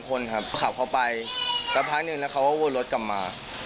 คนครับขับเข้าไปสักพักหนึ่งแล้วเขาก็วนรถกลับมา